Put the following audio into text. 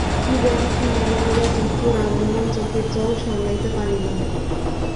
কী জানি কী মনে করিয়া বৃদ্ধ রামমোহন চোখের জল সামলাইতে পারিল না।